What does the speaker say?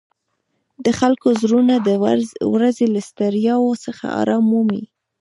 د خلکو زړونه د ورځې له ستړیاوو څخه آرام مومي.